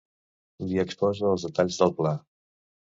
Li exposa els detalls del pla.